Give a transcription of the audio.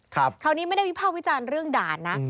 คราวนี้ไม่ได้วิภาควิจารณ์เรื่องด่านนะ